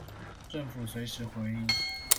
政府隨時回應